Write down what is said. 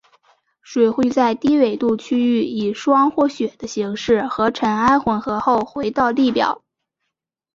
水会在低纬度区域以霜或雪的形式和尘埃混合后回到地表。